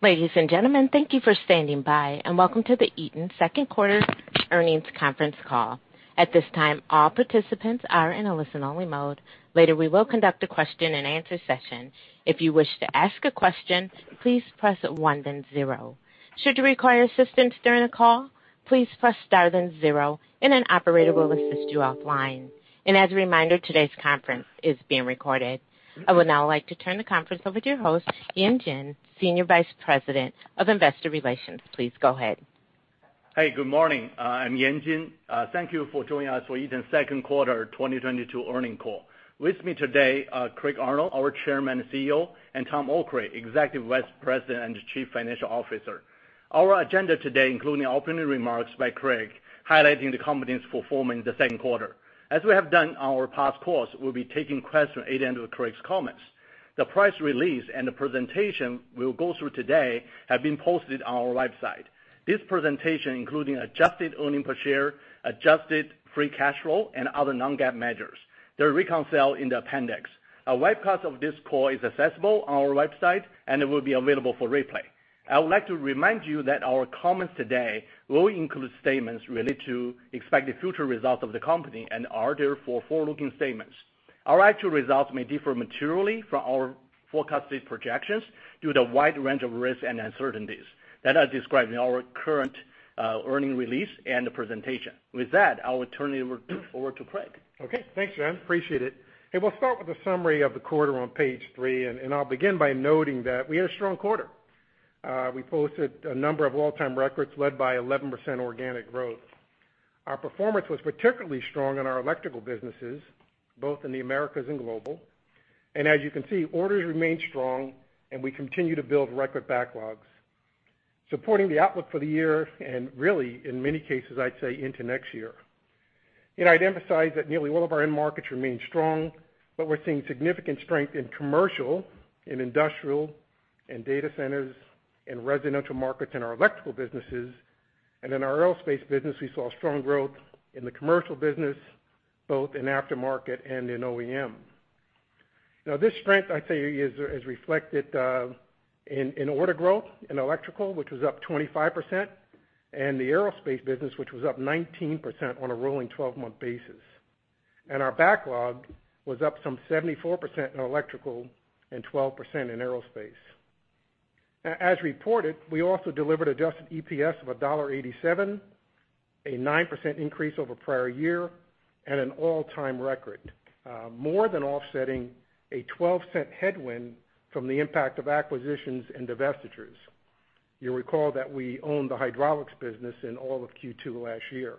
Ladies and gentlemen, thank you for standing by, and welcome to the Eaton Second Quarter Earnings Conference Call. At this time, all participants are in a listen-only mode. Later, we will conduct a question-and-answer session. If you wish to ask a question, please press one then zero. Should you require assistance during the call, please press star then zero, and an operator will assist you offline. As a reminder, today's conference is being recorded. I would now like to turn the conference over to your host, Yan Jin, Senior Vice President of Investor Relations. Please go ahead. Hey, good morning, I'm Yan Jin. Thank you for joining us for Eaton's second quarter 2022 earnings call. With me today, Craig Arnold, our Chairman and CEO, and Tom Okray, Executive Vice President and Chief Financial Officer. Our agenda today includes opening remarks by Craig, highlighting the company's performance in the second quarter. As we have done on our past calls, we'll be taking questions at the end of Craig's comments. The press release and the presentation we'll go through today have been posted on our website. This presentation includes adjusted earnings per share, adjusted free cash flow, and other non-GAAP measures. They're reconciled in the appendix. A webcast of this call is accessible on our website, and it will be available for replay. I would like to remind you that our comments today will include statements related to expected future results of the company and are therefore forward-looking statements. Our actual results may differ materially from our forecasted projections due to the wide range of risks and uncertainties that are described in our current earnings release and the presentation. With that, I will turn it over to Craig. Okay. Thanks, Yan. Appreciate it. We'll start with a summary of the quarter on page three, and I'll begin by noting that we had a strong quarter. We posted a number of all-time records led by 11% organic growth. Our performance was particularly strong in our electrical businesses, both in the Americas and global. As you can see, orders remain strong, and we continue to build record backlogs, supporting the outlook for the year, and really, in many cases, I'd say into next year. You know, I'd emphasize that nearly all of our end markets remain strong, but we're seeing significant strength in commercial and industrial and data centers and residential markets in our electrical businesses. In our aerospace business, we saw strong growth in the commercial business, both in aftermarket and in OEM. Now this strength, I'd say, is reflected in order growth in electrical, which was up 25%, and the aerospace business, which was up 19% on a rolling twelve-month basis. Our backlog was up some 74% in electrical and 12% in aerospace. As reported, we also delivered adjusted EPS of $1.87, a 9% increase over prior year and an all-time record, more than offsetting a $0.12 headwind from the impact of acquisitions and divestitures. You'll recall that we owned the hydraulics business in all of Q2 last year.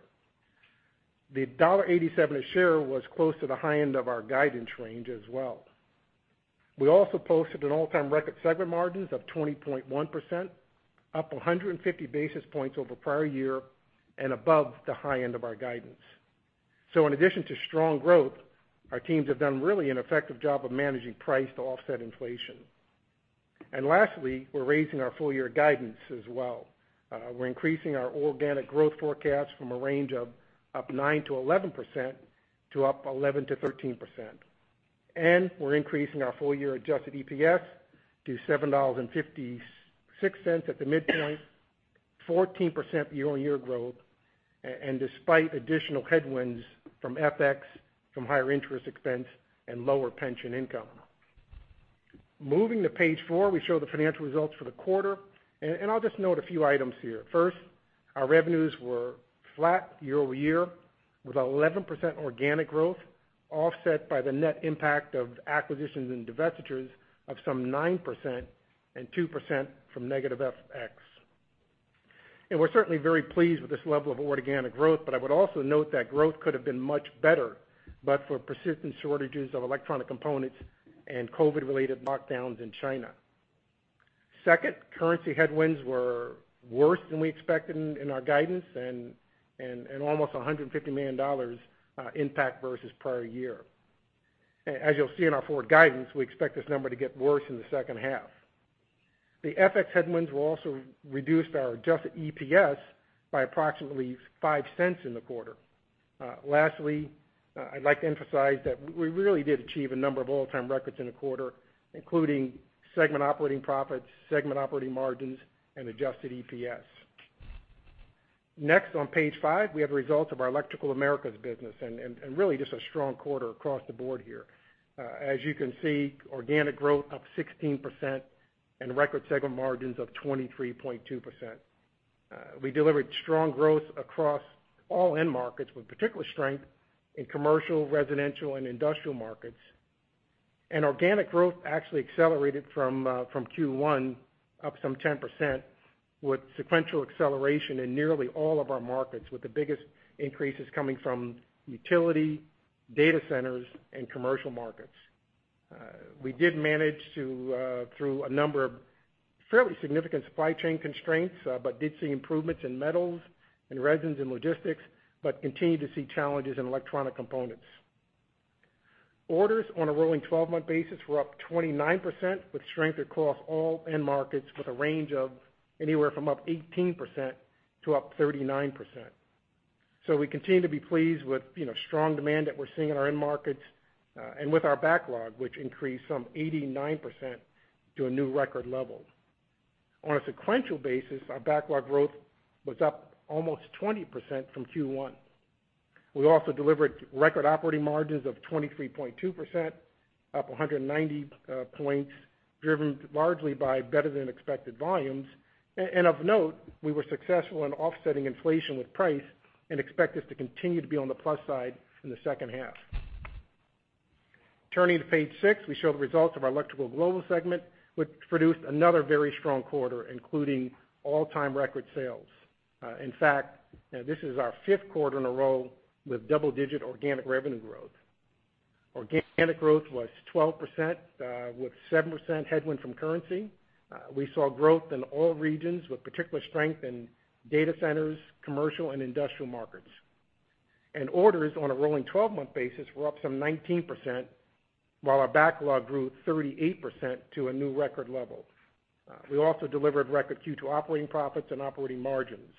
The $1.87 a share was close to the high end of our guidance range as well. We also posted an all-time record segment margins of 20.1%, up 150 basis points over prior year and above the high end of our guidance. In addition to strong growth, our teams have done a really effective job of managing price to offset inflation. Lastly, we're raising our full-year guidance as well. We're increasing our organic growth forecast from a range of up 9%-11% to up 11%-13%. We're increasing our full-year adjusted EPS to $7.56 at the midpoint, 14% year-over-year growth and despite additional headwinds from FX, from higher interest expense and lower pension income. Moving to page four, we show the financial results for the quarter, and I'll just note a few items here. First, our revenues were flat year-over-year with 11% organic growth, offset by the net impact of acquisitions and divestitures of some 9% and 2% from negative FX. We're certainly very pleased with this level of organic growth, but I would also note that growth could have been much better, but for persistent shortages of electronic components and COVID-related lockdowns in China. Second, currency headwinds were worse than we expected in our guidance and almost $150 million impact versus prior year. As you'll see in our forward guidance, we expect this number to get worse in the second half. The FX headwinds will also reduce our adjusted EPS by approximately $0.05 in the quarter. Lastly, I'd like to emphasize that we really did achieve a number of all-time records in the quarter, including segment operating profits, segment operating margins, and adjusted EPS. Next on page five, we have the results of our Electrical Americas business and really just a strong quarter across the board here. As you can see, organic growth up 16% and record segment margins of 23.2%. We delivered strong growth across all end markets with particular strength in commercial, residential, and industrial markets. Organic growth actually accelerated from Q1 up some 10% with sequential acceleration in nearly all of our markets, with the biggest increases coming from utility, data centers, and commercial markets. We did manage to get through a number of fairly significant supply chain constraints, but did see improvements in metals and resins and logistics, but we continue to see challenges in electronic components. Orders on a rolling twelve-month basis were up 29%, with strength across all end markets with a range of anywhere from up 18% to up 39%. We continue to be pleased with, you know, strong demand that we're seeing in our end markets, and with our backlog, which increased some 89% to a new record level. On a sequential basis, our backlog growth was up almost 20% from Q1. We also delivered record operating margins of 23.2%, up 190 points, driven largely by better than expected volumes. And of note, we were successful in offsetting inflation with price and expect this to continue to be on the plus side in the second half. Turning to page six, we show the results of our Electrical Global segment, which produced another very strong quarter, including all-time record sales. In fact, this is our fifth quarter in a row with double-digit organic revenue growth. Organic growth was 12%, with 7% headwind from currency. We saw growth in all regions with particular strength in data centers, commercial and industrial markets. Orders on a rolling twelve-month basis were up some 19%, while our backlog grew 38% to a new record level. We also delivered record Q2 operating profits and operating margins.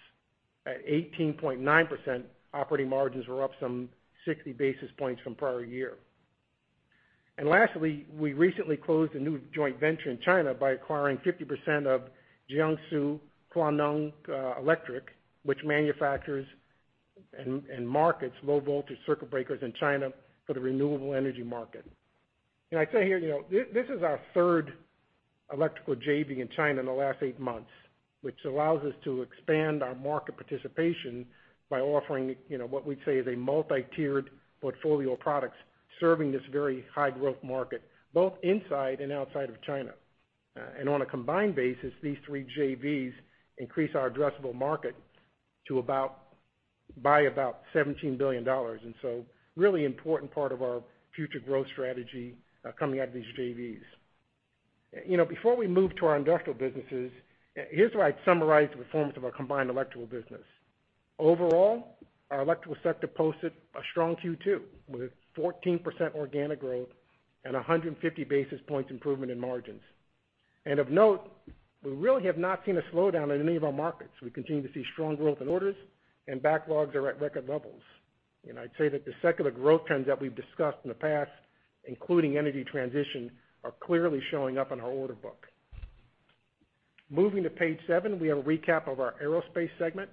At 18.9%, operating margins were up some 60 basis points from prior year. Lastly, we recently closed a new joint venture in China by acquiring 50% of Jiangsu Huineng Electric, which manufactures and markets low voltage circuit breakers in China for the renewable energy market. I'd say here, you know, this is our third electrical JV in China in the last eight months, which allows us to expand our market participation by offering, you know, what we'd say is a multi-tiered portfolio of products serving this very high growth market, both inside and outside of China. On a combined basis, these three JVs increase our addressable market to about by about $17 billion. Really important part of our future growth strategy, coming out of these JVs. You know, before we move to our industrial businesses, here's where I'd summarize the performance of our combined electrical business. Overall, our electrical sector posted a strong Q2, with 14% organic growth and 150 basis points improvement in margins. Of note, we really have not seen a slowdown in any of our markets. We continue to see strong growth in orders, and backlogs are at record levels. I'd say that the secular growth trends that we've discussed in the past, including energy transition, are clearly showing up in our order book. Moving to page seven, we have a recap of our aerospace segment.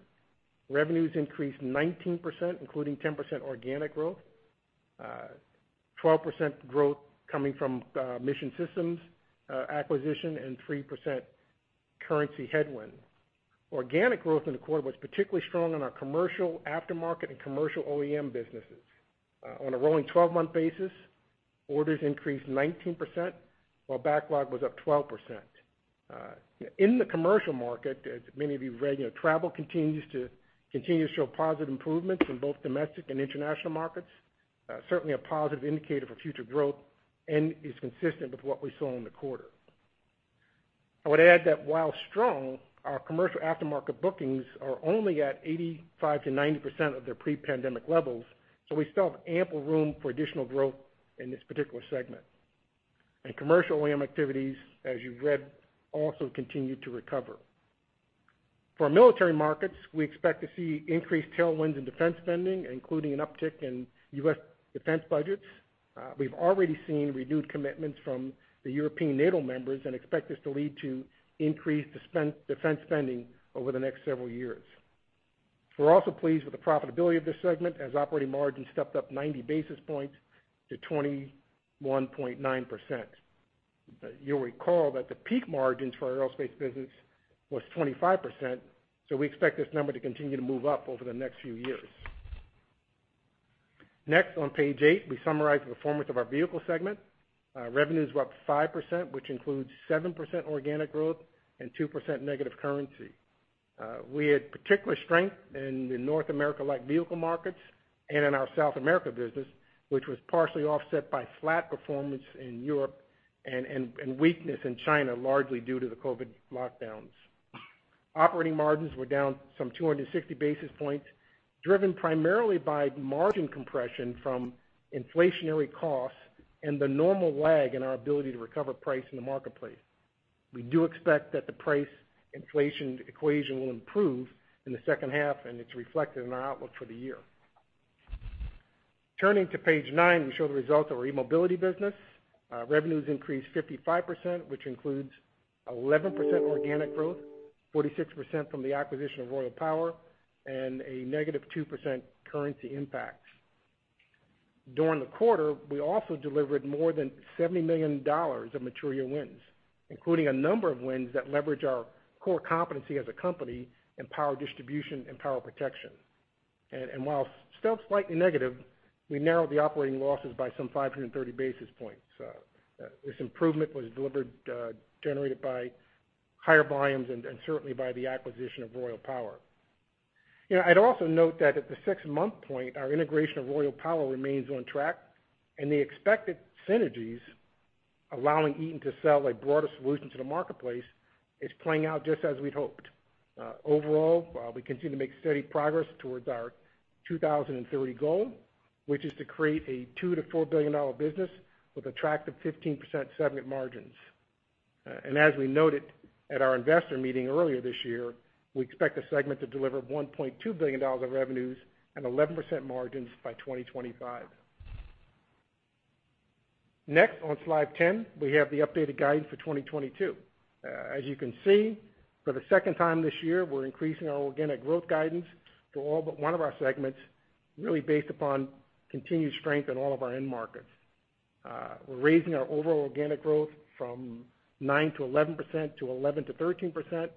Revenues increased 19%, including 10% organic growth, 12% growth coming from Mission Systems acquisition, and 3% currency headwind. Organic growth in the quarter was particularly strong in our commercial aftermarket and commercial OEM businesses. On a rolling 12-month basis, orders increased 19%, while backlog was up 12%. In the commercial market, as many of you read, you know, travel continues to show positive improvements in both domestic and international markets. Certainly a positive indicator for future growth and is consistent with what we saw in the quarter. I would add that while strong, our commercial aftermarket bookings are only at 85%-90% of their pre-pandemic levels, so we still have ample room for additional growth in this particular segment. Commercial OEM activities, as you've read, also continue to recover. For military markets, we expect to see increased tailwinds in defense spending, including an uptick in U.S. defense budgets. We've already seen renewed commitments from the European NATO members and expect this to lead to increased defense spending over the next several years. We're also pleased with the profitability of this segment as operating margins stepped up 90 basis points to 21.9%. You'll recall that the peak margins for our aerospace business was 25%, so we expect this number to continue to move up over the next few years. Next, on page eight, we summarize the performance of our vehicle segment. Revenues were up 5%, which includes 7% organic growth and 2% negative currency. We had particular strength in the North America light vehicle markets and in our South America business, which was partially offset by flat performance in Europe and weakness in China, largely due to the COVID lockdowns. Operating margins were down some 260 basis points, driven primarily by margin compression from inflationary costs and the normal lag in our ability to recover price in the marketplace. We do expect that the price inflation equation will improve in the second half, and it's reflected in our outlook for the year. Turning to page nine, we show the results of our eMobility business. Revenues increased 55%, which includes 11% organic growth, 46% from the acquisition of Royal Power, and a -2% currency impact. During the quarter, we also delivered more than $70 million of material wins, including a number of wins that leverage our core competency as a company in power distribution and power protection. While still slightly negative, we narrowed the operating losses by some 530 basis points. This improvement was generated by higher volumes and certainly by the acquisition of Royal Power. You know, I'd also note that at the six-month point, our integration of Royal Power remains on track, and the expected synergies allowing Eaton to sell a broader solution to the marketplace is playing out just as we'd hoped. Overall, we continue to make steady progress towards our 2030 goal, which is to create a $2 billion-$4 billion business with attractive 15% segment margins. As we noted at our investor meeting earlier this year, we expect the segment to deliver $1.2 billion of revenues and 11% margins by 2025. Next, on slide 10, we have the updated guidance for 2022. As you can see, for the second time this year, we're increasing our organic growth guidance to all but one of our segments, really based upon continued strength in all of our end markets. We're raising our overall organic growth from 9%-11% to 11%-13%,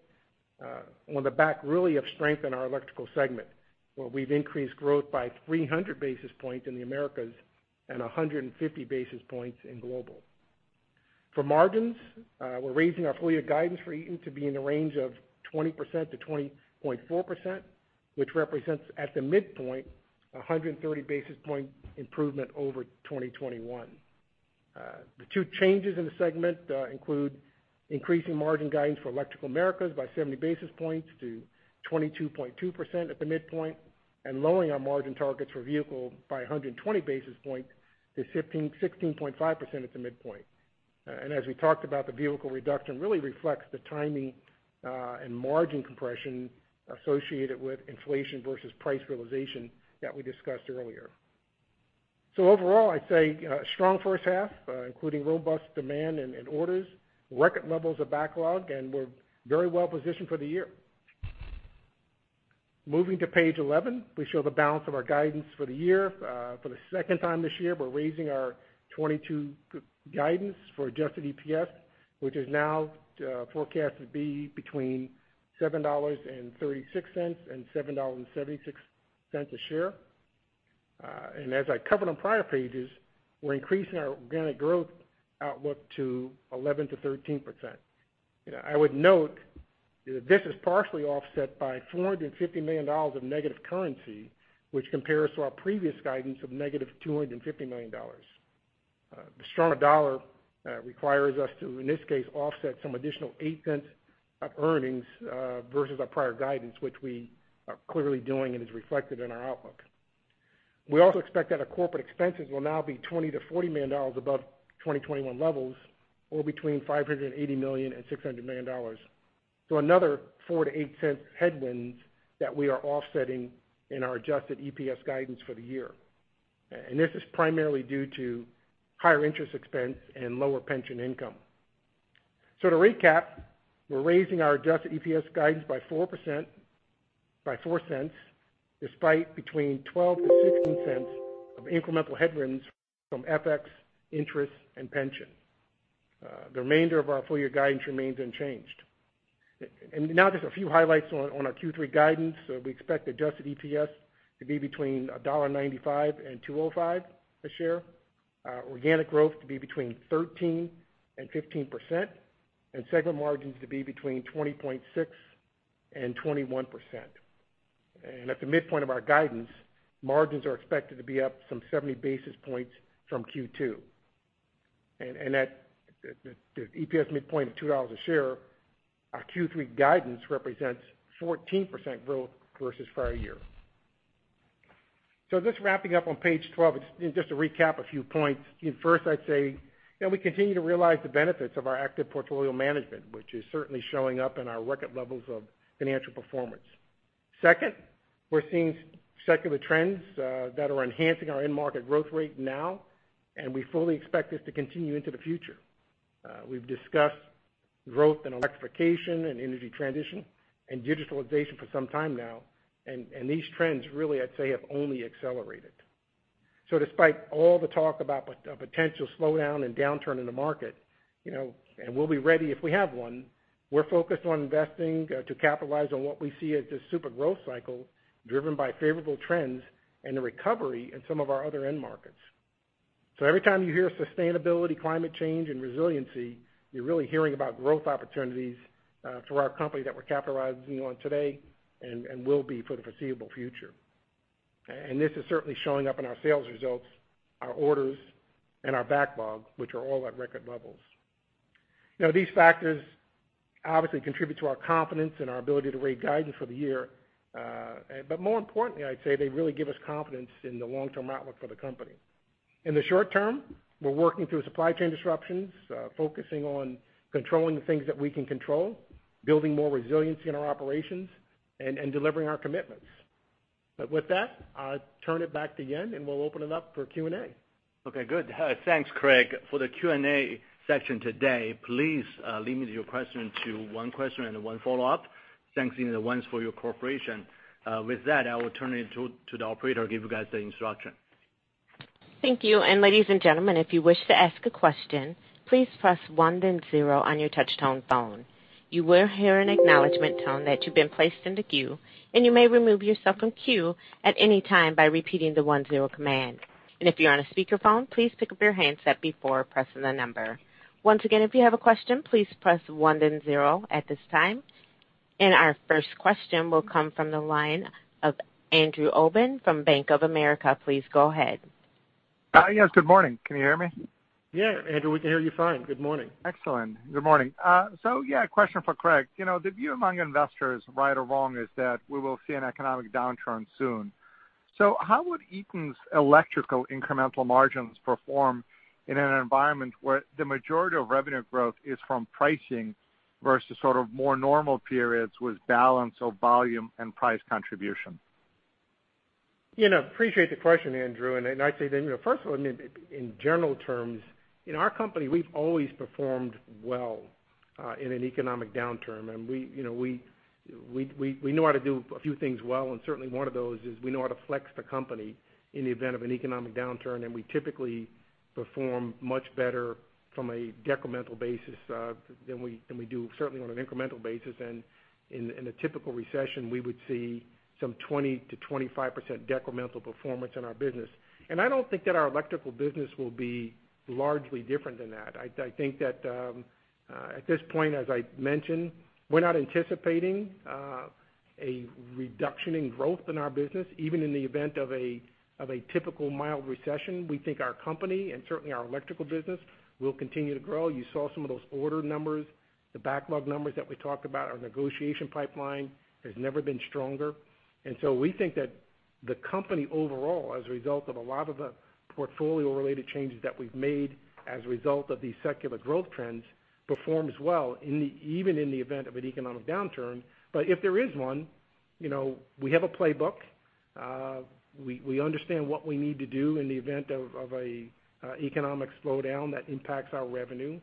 on the back really of strength in our Electrical segment, where we've increased growth by 300 basis points in the Americas and 150 basis points in Global. For margins, we're raising our full-year guidance for Eaton to be in the range of 20%-20.4%, which represents, at the midpoint, 130 basis point improvement over 2021. The two changes in the segment include increasing margin guidance for Electrical Americas by 70 basis points to 22.2% at the midpoint, and lowering our margin targets for Vehicle by 120 basis points to 15%-16.5% at the midpoint. As we talked about, the vehicle reduction really reflects the timing, and margin compression associated with inflation versus price realization that we discussed earlier. Overall, I'd say, strong first half, including robust demand and orders, record levels of backlog, and we're very well positioned for the year. Moving to page 11, we show the balance of our guidance for the year. For the second time this year, we're raising our 2022 guidance for adjusted EPS, which is now, forecasted to be between $7.36 and $7.76 a share. As I covered on prior pages, we're increasing our organic growth outlook to 11%-13%. You know, I would note that this is partially offset by $450 million of negative currency, which compares to our previous guidance of -$250 million. The stronger dollar requires us to, in this case, offset some additional $0.08 of earnings versus our prior guidance, which we are clearly doing and is reflected in our outlook. We also expect that our corporate expenses will now be $20 million-$40 million above 2021 levels, or between $580 million and $600 million, so another $0.04-$0.08 headwinds that we are offsetting in our adjusted EPS guidance for the year. This is primarily due to higher interest expense and lower pension income. To recap, we're raising our adjusted EPS guidance by 4%, by $0.04, despite between $0.12-$0.16 of incremental headwinds from FX, interest, and pension. The remainder of our full year guidance remains unchanged. Now just a few highlights on our Q3 guidance. We expect adjusted EPS to be between $1.95-$2.05 a share, organic growth to be between 13%-15%, and segment margins to be between 20.6%-21%. At the midpoint of our guidance, margins are expected to be up some 70 basis points from Q2. At the EPS midpoint of $2 a share, our Q3 guidance represents 14% growth versus prior year. Just wrapping up on page 12, just to recap a few points. First, I'd say that we continue to realize the benefits of our active portfolio management, which is certainly showing up in our record levels of financial performance. Second, we're seeing secular trends that are enhancing our end market growth rate now, and we fully expect this to continue into the future. We've discussed growth in electrification and energy transition and digitalization for some time now, and these trends really, I'd say, have only accelerated. Despite all the talk about a potential slowdown and downturn in the market, you know, and we'll be ready if we have one, we're focused on investing to capitalize on what we see as this super growth cycle driven by favorable trends and the recovery in some of our other end markets. Every time you hear sustainability, climate change, and resiliency, you're really hearing about growth opportunities, for our company that we're capitalizing on today and will be for the foreseeable future. This is certainly showing up in our sales results, our orders, and our backlog, which are all at record levels. You know, these factors obviously contribute to our confidence and our ability to raise guidance for the year. More importantly, I'd say they really give us confidence in the long-term outlook for the company. In the short term, we're working through supply chain disruptions, focusing on controlling the things that we can control, building more resiliency in our operations, and delivering our commitments. With that, I'll turn it back to Yan, and we'll open it up for Q&A. Okay, good. Thanks, Craig. For the Q&A section today, please limit your question to one question and one follow-up. Thanks in advance for your cooperation. With that, I will turn it to the operator to give you guys the instruction. Thank you. Ladies and gentlemen, if you wish to ask a question, please press one then zero on your touch tone phone. You will hear an acknowledgment tone that you've been placed into queue, and you may remove yourself from queue at any time by repeating the one-zero command. If you're on a speakerphone, please pick up your handset before pressing the number. Once again, if you have a question, please press one then zero at this time. Our first question will come from the line of Andrew Obin from Bank of America. Please go ahead. Yes, good morning. Can you hear me? Yeah, Andrew, we can hear you fine. Good morning. Excellent. Good morning. Yeah, a question for Craig. You know, the view among investors, right or wrong, is that we will see an economic downturn soon. How would Eaton's electrical incremental margins perform in an environment where the majority of revenue growth is from pricing versus sort of more normal periods with balance of volume and price contribution? You know, appreciate the question, Andrew. I'd say that, you know, first of all, I mean, in general terms, in our company, we've always performed well in an economic downturn. We, you know, we know how to do a few things well, and certainly one of those is we know how to flex the company in the event of an economic downturn, and we typically perform much better from a decremental basis than we do certainly on an incremental basis. In a typical recession, we would see some 20%-25% decremental performance in our business. I don't think that our electrical business will be largely different than that. I think that, at this point, as I mentioned, we're not anticipating a reduction in growth in our business. Even in the event of a typical mild recession, we think our company, and certainly our electrical business, will continue to grow. You saw some of those order numbers, the backlog numbers that we talked about. Our negotiation pipeline has never been stronger. We think that the company overall, as a result of a lot of the portfolio-related changes that we've made as a result of these secular growth trends, performs well, even in the event of an economic downturn. If there is one, you know, we have a playbook. We understand what we need to do in the event of an economic slowdown that impacts our revenue.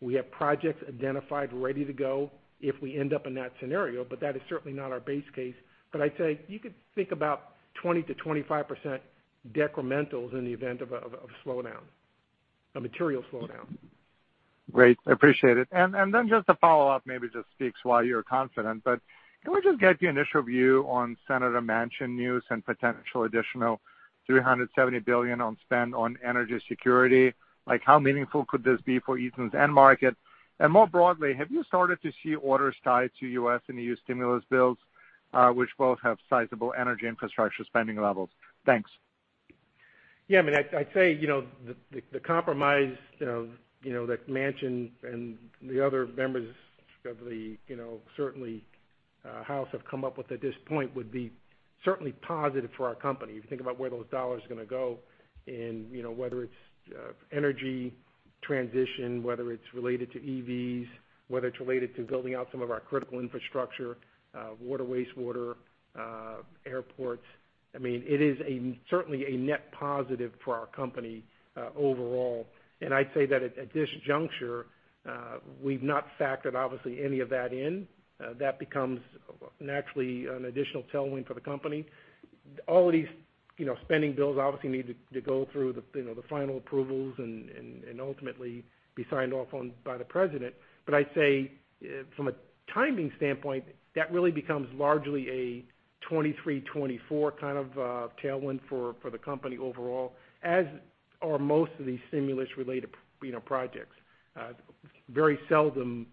We have projects identified, ready to go if we end up in that scenario, but that is certainly not our base case. I'd say you could think about 20%-25% decrementals in the event of a material slowdown. Great. I appreciate it. Then just a follow-up, maybe just speak to why you're confident, but can we just get the initial view on Senator Manchin news and potential additional $370 billion in spending on energy security? Like, how meaningful could this be for Eaton's end market? More broadly, have you started to see orders tied to U.S. and EU stimulus bills, which both have sizable energy infrastructure spending levels? Thanks. Yeah, I mean, I'd say, you know, the compromise, you know, that Manchin and the other members of the, you know, certainly, House have come up with at this point would be certainly positive for our company. If you think about where those dollars are gonna go in, you know, whether it's energy transition, whether it's related to EVs, whether it's related to building out some of our critical infrastructure, water, wastewater, airports. I mean, it is certainly a net positive for our company overall. I'd say that at this juncture, we've not factored obviously any of that in. That becomes naturally an additional tailwind for the company. All of these you know spending bills obviously need to go through the you know the final approvals and ultimately be signed off on by the President. I'd say from a timing standpoint, that really becomes largely a 2023, 2024 kind of tailwind for the company overall, as are most of these stimulus-related you know projects. Very seldom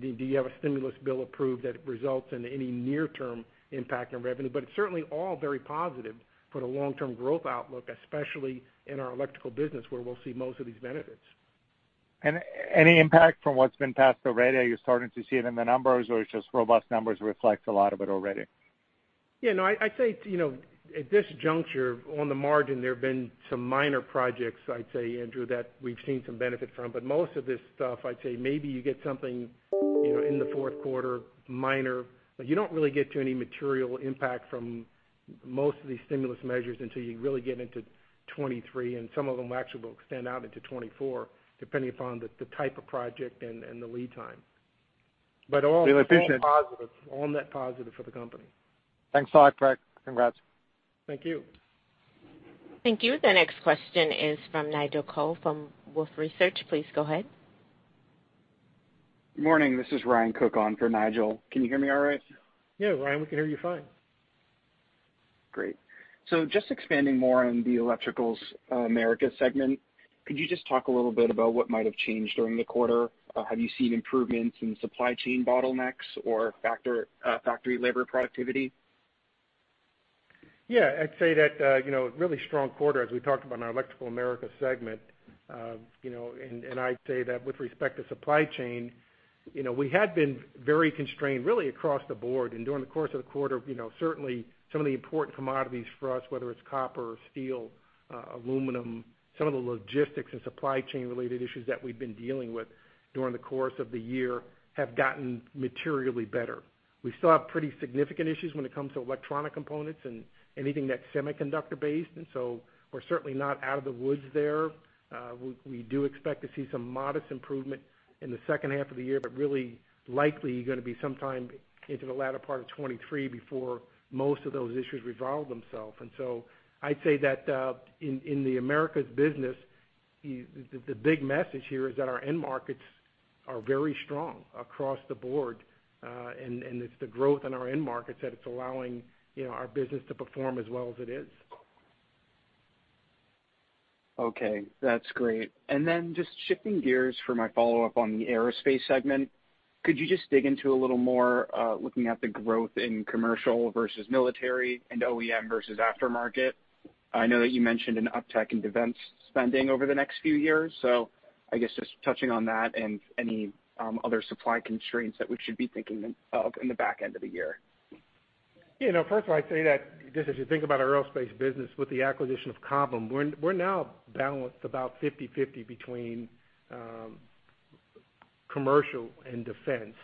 do you have a stimulus bill approved that results in any near-term impact on revenue, but it's certainly all very positive for the long-term growth outlook, especially in our electrical business, where we'll see most of these benefits. Any impact from what's been passed already? Are you starting to see it in the numbers, or it's just robust numbers reflect a lot of it already? Yeah, no, I'd say, you know, at this juncture, on the margin, there have been some minor projects, I'd say, Andrew, that we've seen some benefit from. Most of this stuff, I'd say maybe you get something, you know, in the fourth quarter, minor. You don't really get to any material impact from most of these stimulus measures until you really get into 2023, and some of them will actually extend out into 2024, depending upon the type of project and the lead time. Really appreciate- All positive, all net positive for the company. Thanks a lot, Craig. Congrats. Thank you. Thank you. The next question is from Nigel Coe from Wolfe Research. Please go ahead. Morning, this is Ryan Cooke on for Nigel. Can you hear me all right? Yeah, Ryan, we can hear you fine. Great. Just expanding more on the Electrical Americas segment, could you just talk a little bit about what might have changed during the quarter? Have you seen improvements in supply chain bottlenecks or factory labor productivity? Yeah. I'd say that, you know, really strong quarter, as we talked about in our Electrical Americas segment. You know, and I'd say that with respect to supply chain, you know, we had been very constrained really across the board. During the course of the quarter, you know, certainly some of the important commodities for us, whether it's copper or steel, aluminum, some of the logistics and supply chain related issues that we've been dealing with during the course of the year have gotten materially better. We still have pretty significant issues when it comes to electronic components and anything that's semiconductor based, and so we're certainly not out of the woods there. We do expect to see some modest improvement in the second half of the year, but really likely gonna be sometime into the latter part of 2023 before most of those issues resolve themselves. I'd say that in the Americas business, the big message here is that our end markets are very strong across the board. It's the growth in our end markets that it's allowing, you know, our business to perform as well as it is. Okay, that's great. Just shifting gears for my follow-up on the Aerospace segment. Could you just dig into a little more, looking at the growth in commercial versus military and OEM versus aftermarket? I know that you mentioned an uptick in defense spending over the next few years, so I guess just touching on that and any other supply constraints that we should be thinking of in the back end of the year. You know, first of all, I'd say that just as you think about our aerospace business with the acquisition of Cobham, we're now balanced about 50/50 between commercial and defense.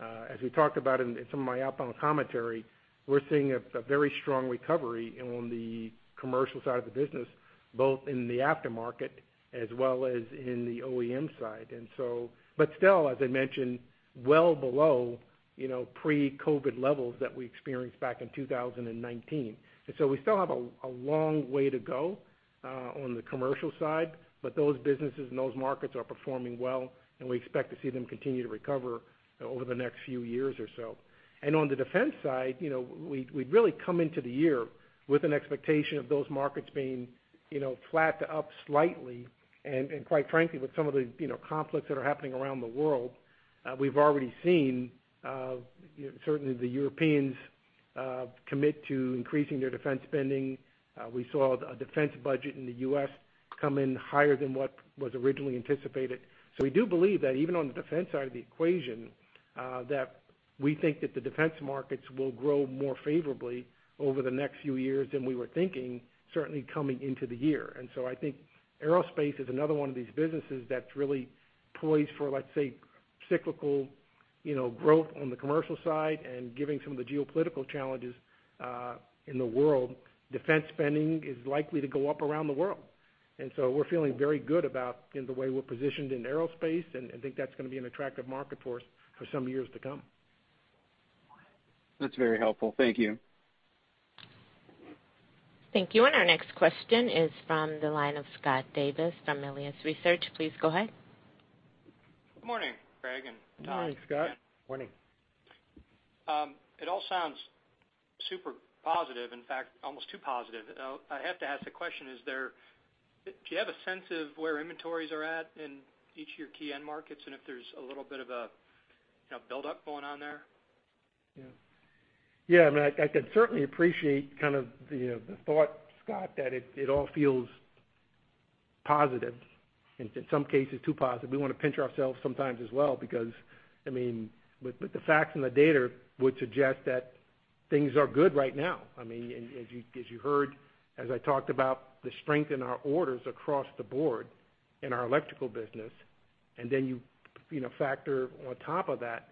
As we talked about in some of my opening commentary, we're seeing a very strong recovery on the commercial side of the business, both in the aftermarket as well as in the OEM side. Still, as I mentioned, well below, you know, pre-COVID levels that we experienced back in 2019. We still have a long way to go on the commercial side, but those businesses and those markets are performing well, and we expect to see them continue to recover over the next few years or so. On the defense side, you know, we'd really come into the year with an expectation of those markets being, you know, flat to up slightly. Quite frankly, with some of the, you know, conflicts that are happening around the world, we've already seen certainly the Europeans commit to increasing their defense spending. We saw a defense budget in the U.S. come in higher than what was originally anticipated. We do believe that even on the defense side of the equation, that we think that the defense markets will grow more favorably over the next few years than we were thinking, certainly coming into the year. I think aerospace is another one of these businesses that's really poised for, let's say, cyclical, you know, growth on the commercial side. Given some of the geopolitical challenges in the world, defense spending is likely to go up around the world. We're feeling very good about the way we're positioned in aerospace, and I think that's gonna be an attractive market for us for some years to come. That's very helpful. Thank you. Thank you. Our next question is from the line of Scott Davis from Melius Research. Please go ahead. Good morning, Craig and Tom. Morning, Scott. Morning. It all sounds super positive. In fact, almost too positive. I have to ask the question, do you have a sense of where inventories are at in each of your key end markets, and if there's a little bit of a, you know, buildup going on there? Yeah, I mean, I can certainly appreciate kind of the, you know, the thought, Scott, that it all feels positive and in some cases too positive. We wanna pinch ourselves sometimes as well because, I mean, but the facts and the data would suggest that things are good right now. I mean, as you heard, as I talked about the strength in our orders across the board in our electrical business, and then you know, factor on top of that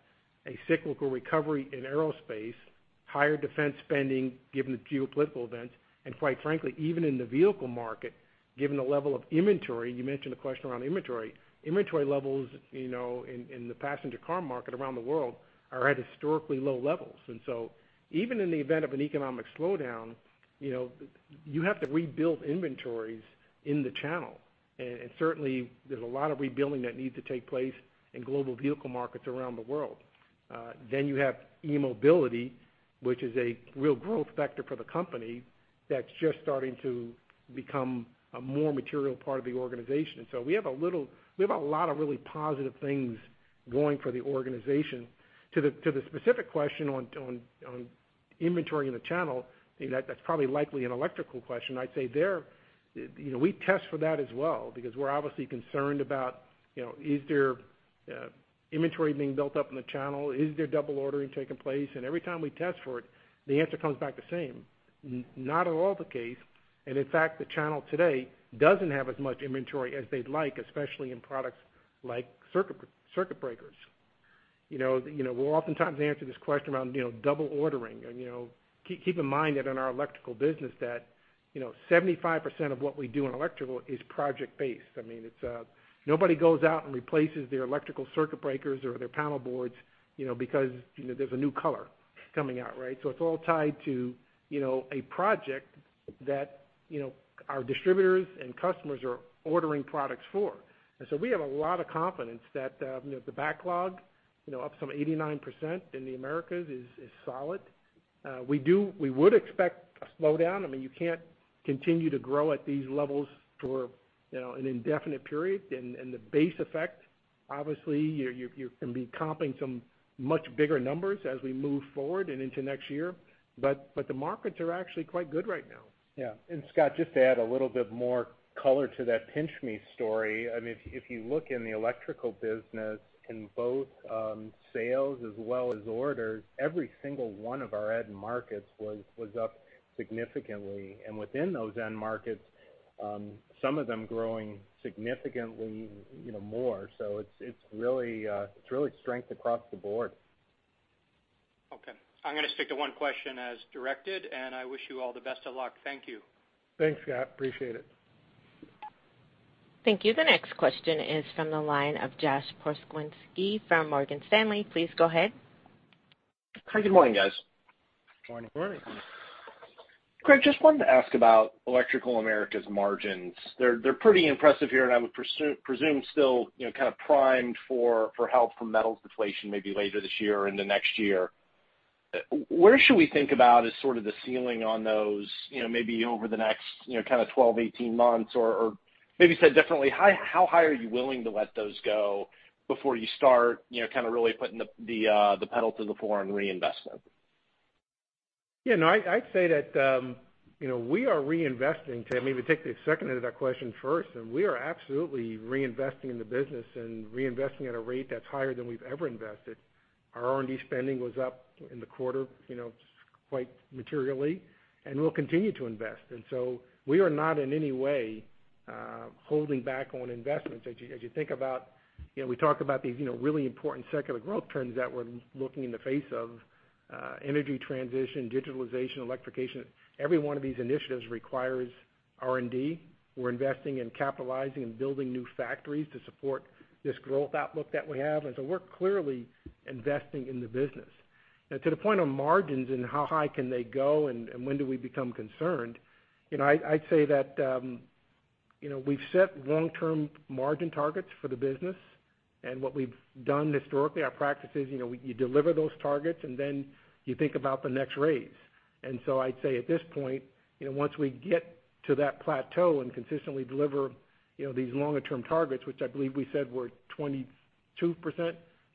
a cyclical recovery in aerospace, higher defense spending given the geopolitical events. Quite frankly, even in the vehicle market, given the level of inventory, you mentioned a question around inventory. Inventory levels, you know, in the passenger car market around the world are at historically low levels. Even in the event of an economic slowdown, you know, you have to rebuild inventories in the channel. Certainly there's a lot of rebuilding that needs to take place in global vehicle markets around the world. Then you have eMobility, which is a real growth vector for the company that's just starting to become a more material part of the organization. We have a lot of really positive things going for the organization. To the specific question on inventory in the channel, that's probably likely an electrical question. I'd say there, you know, we test for that as well because we're obviously concerned about, you know, is there inventory being built up in the channel? Is there double ordering taking place? Every time we test for it, the answer comes back the same, not at all the case. In fact, the channel today doesn't have as much inventory as they'd like, especially in products like circuit breakers. You know, you know, we'll oftentimes answer this question around, you know, double ordering. You know, keep in mind that in our electrical business that, you know, 75% of what we do in electrical is project-based. I mean, it's, nobody goes out and replaces their electrical circuit breakers or their panel boards, you know, because, you know, there's a new color coming out, right? It's all tied to, you know, a project that, you know, our distributors and customers are ordering products for. We have a lot of confidence that, you know, the backlog, you know, up some 89% in the Americas is solid. We would expect a slowdown. I mean, you can't continue to grow at these levels for, you know, an indefinite period. The base effect, obviously, you can be comping some much bigger numbers as we move forward and into next year. The markets are actually quite good right now. Yeah. Scott, just to add a little bit more color to that pinch me story. I mean, if you look in the electrical business in both sales as well as orders, every single one of our end markets was up significantly. Within those end markets, some of them growing significantly, you know, more so. It's really strength across the board. Okay, I'm gonna stick to one question as directed, and I wish you all the best of luck. Thank you. Thanks, Scott. Appreciate it. Thank you. The next question is from the line of Josh Pokrzywinski from Morgan Stanley. Please go ahead. Hi, good morning, guys. Morning. Morning. Craig, just wanted to ask about Electrical Americas margins. They're pretty impressive here, and I would presume still, you know, kind of primed for help from metals deflation maybe later this year or in the next year. Where should we think about as sort of the ceiling on those, you know, maybe over the next, you know, kind of 12, 18 months? Or maybe said differently, how high are you willing to let those go before you start, you know, kind of really putting the pedal to the floor on reinvestment? Yeah, no, I'd say that, you know, we are reinvesting, Tim, maybe take the second of that question first, and we are absolutely reinvesting in the business and reinvesting at a rate that's higher than we've ever invested. Our R&D spending was up in the quarter, you know, quite materially, and we'll continue to invest. We are not in any way holding back on investments. As you think about, you know, we talk about these, you know, really important secular growth trends that we're looking in the face of, energy transition, digitalization, electrification, every one of these initiatives requires R&D. We're investing and capitalizing and building new factories to support this growth outlook that we have. We're clearly investing in the business. Now to the point on margins and how high can they go and when do we become concerned, you know, I'd say that, you know, we've set long-term margin targets for the business. What we've done historically, our practice is, you know, you deliver those targets and then you think about the next raise. I'd say at this point, you know, once we get to that plateau and consistently deliver, you know, these longer-term targets, which I believe we said were 22%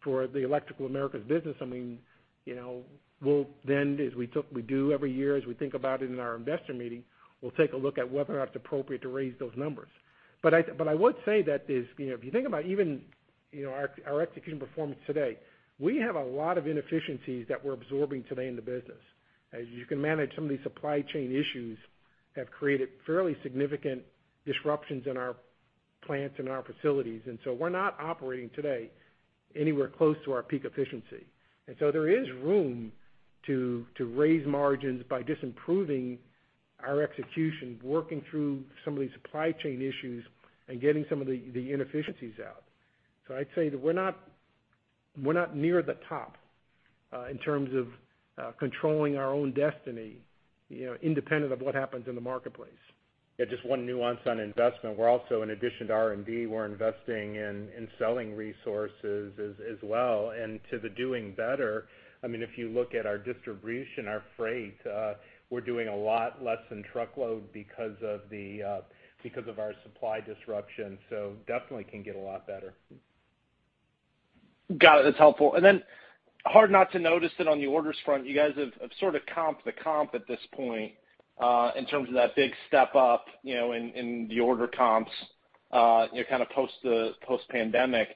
for the Electrical Americas business, I mean, you know, we'll then, we do every year, as we think about it in our investor meeting, we'll take a look at whether or not it's appropriate to raise those numbers. I would say that this, you know, if you think about even, you know, our execution performance today, we have a lot of inefficiencies that we're absorbing today in the business. As you can imagine, some of these supply chain issues have created fairly significant disruptions in our plants and our facilities. We're not operating today anywhere close to our peak efficiency. There is room to raise margins by just improving our execution, working through some of these supply chain issues and getting some of the inefficiencies out. I'd say that we're not near the top in terms of controlling our own destiny, you know, independent of what happens in the marketplace. Yeah, just one nuance on investment. We're also, in addition to R&D, we're investing in selling resources as well. To the doing better, I mean, if you look at our distribution, our freight, we're doing a lot less in truckload because of our supply disruption, so definitely can get a lot better. Got it. That's helpful. Hard not to notice that on the orders front, you guys have sort of comped the comp at this point, in terms of that big step up, you know, in the order comps, you know, kind of post pandemic.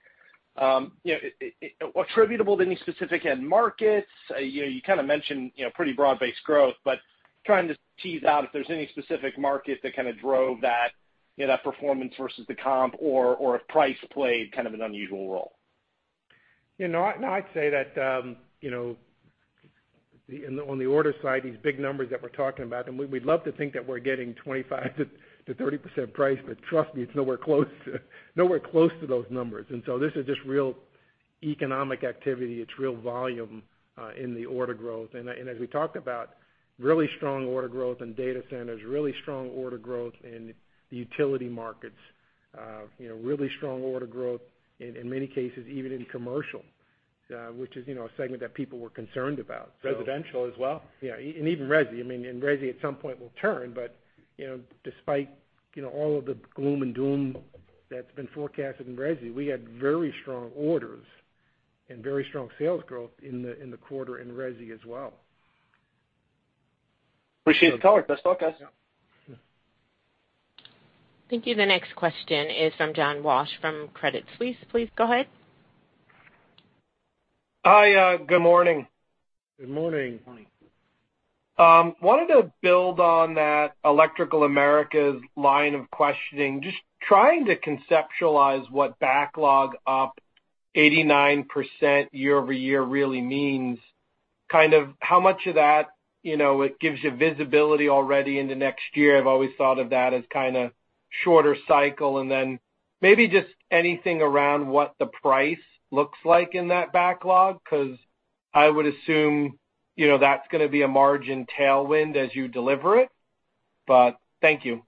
You know, attributable to any specific end markets, you know, you kind of mentioned, you know, pretty broad-based growth, but trying to tease out if there's any specific market that kind of drove that, you know, that performance versus the comp or if price played kind of an unusual role. You know, I'd say that, you know, on the order side, these big numbers that we're talking about, and we'd love to think that we're getting 25%-30% price, but trust me, it's nowhere close to those numbers. This is just real economic activity. It's real volume in the order growth. As we talked about, really strong order growth in data centers, really strong order growth in the utility markets, you know, really strong order growth in many cases, even in commercial, which is, you know, a segment that people were concerned about. Residential as well. Yeah. Even resi. I mean, resi at some point will turn, but, you know, despite, you know, all of the gloom and doom that's been forecasted in resi, we had very strong orders and very strong sales growth in the quarter in resi as well. Appreciate the color. Best of luck, guys. Yeah. Yeah. Thank you. The next question is from John Walsh from Credit Suisse. Please go ahead. Hi. Good morning. Good morning. Morning. Wanted to build on that Electrical Americas line of questioning, just trying to conceptualize what backlog up 89% year-over-year really means, kind of how much of that, you know, it gives you visibility already into next year. I've always thought of that as kinda shorter cycle. Then maybe just anything around what the price looks like in that backlog, 'cause I would assume, you know, that's gonna be a margin tailwind as you deliver it. Thank you.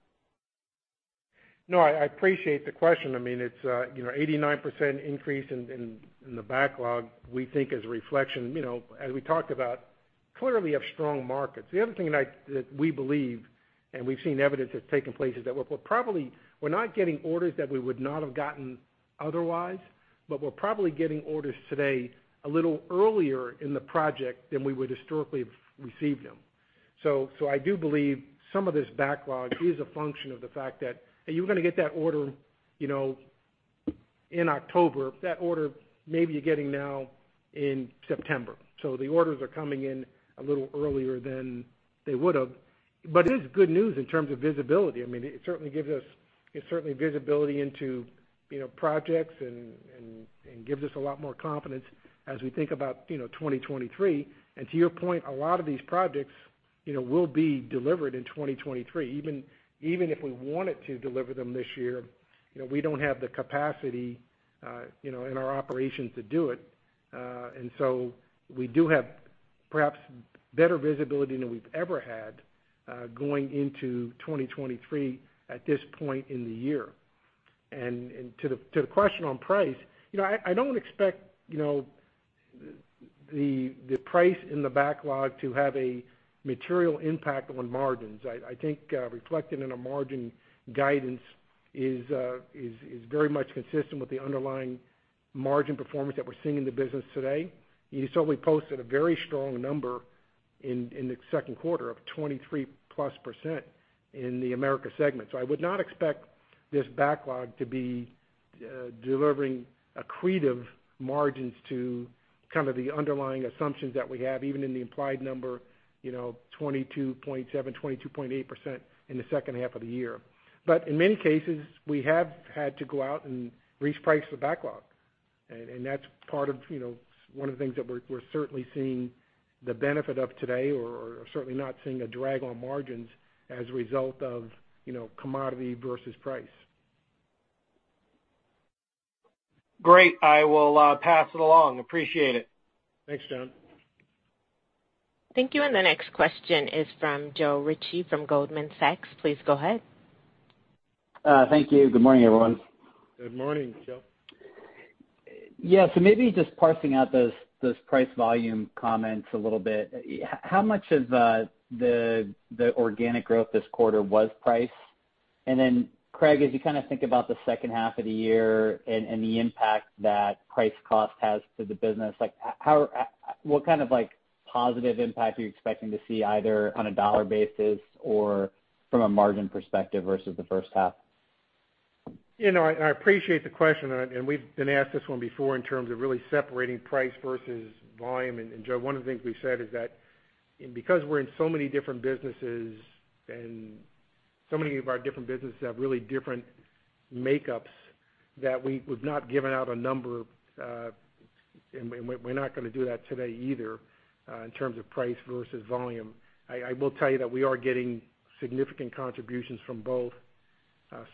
No, I appreciate the question. I mean, it's you know, 89% increase in the backlog, we think is a reflection, you know, as we talked about, clearly of strong markets. The other thing that we believe, and we've seen evidence that's taken place, is that we're probably not getting orders that we would not have gotten otherwise, but we're probably getting orders today a little earlier in the project than we would historically have received them. I do believe some of this backlog is a function of the fact that, hey, you were gonna get that order, you know, in October, that order maybe you're getting now in September. The orders are coming in a little earlier than they would've. It is good news in terms of visibility. I mean, it certainly gives us, it's certainly visibility into, you know, projects and gives us a lot more confidence as we think about, you know, 2023. To your point, a lot of these projects, you know, will be delivered in 2023. Even if we wanted to deliver them this year, you know, we don't have the capacity, you know, in our operations to do it. We do have perhaps better visibility than we've ever had, going into 2023 at this point in the year. To the question on price, you know, I don't expect, you know, the price in the backlog to have a material impact on margins. I think reflecting in our margin guidance is very much consistent with the underlying margin performance that we're seeing in the business today. You certainly posted a very strong number in the second quarter of 2023 23+% in the Americas segment. I would not expect this backlog to be delivering accretive margins to kind of the underlying assumptions that we have, even in the implied number, you know, 22.7, 22.8% in the second half of the year. In many cases, we have had to go out and reprice the backlog. That's part of, you know, one of the things that we're certainly seeing the benefit of today or certainly not seeing a drag on margins as a result of, you know, commodity versus price. Great. I will pass it along. Appreciate it. Thanks, John. Thank you. The next question is from Joe Ritchie from Goldman Sachs. Please go ahead. Thank you. Good morning, everyone. Good morning, Joe. Yeah. Maybe just parsing out those price volume comments a little bit. How much of the organic growth this quarter was price? Craig, as you kind of think about the second half of the year and the impact that price cost has to the business, like how what kind of like positive impact are you expecting to see either on a dollar basis or from a margin perspective versus the first half? You know, I appreciate the question, and we've been asked this one before in terms of really separating price versus volume. Joe, one of the things we said is that because we're in so many different businesses and so many of our different businesses have really different makeups, that we've not given out a number, and we're not gonna do that today either, in terms of price versus volume. I will tell you that we are getting significant contributions from both,